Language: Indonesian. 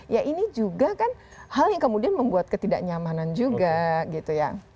ya ini juga kan hal yang kemudian membuat ketidaknyamanan juga gitu ya